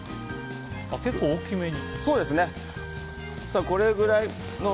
結構大きめに。